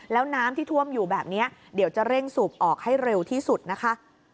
แล้วน้ำที่ท่วมอยู่แบบนี้เดี๋ยวจะเร่งสูบออกให้เร็วที่สุดนะคะ